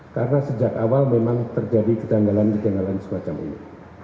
karena sejak awal memang terjadi kejanggalan kejanggalan semacam ini